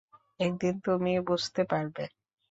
একদিন তুমি বুঝতে পারবে।